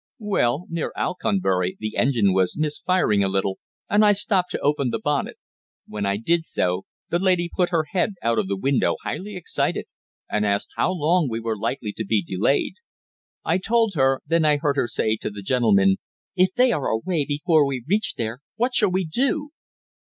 "Well, near Alconbury the engine was misfiring a little, and I stopped to open the bonnet. When I did so, the lady put her head out of the window, highly excited, and asked how long we were likely to be delayed. I told her; then I heard her say to the gentleman, 'If they are away before we reach there, what shall we do?'"